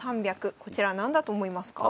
こちら何だと思いますか？